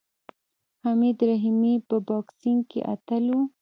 حمید رحیمي په بوکسینګ کې اتل و.